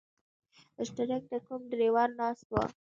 شټرنګ ته کوم ډریور ناست و.